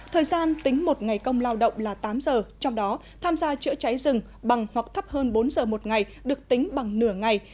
thời gian tính một ngày công lao động là tám giờ trong đó tham gia chữa cháy rừng bằng hoặc thấp hơn bốn giờ một ngày được tính bằng nửa ngày